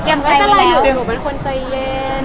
มันก็อะไรอยู่จริงกับงานแต่หนูเป็นคนใจเย็น